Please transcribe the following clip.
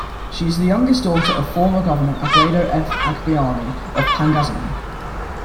She is the youngest daughter of Former Governor Aguedo F. Agbayani of Pangasinan.